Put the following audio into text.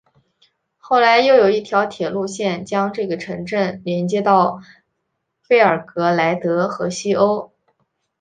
后来又有一条铁路线将这个城镇连接到贝尔格莱德和西欧。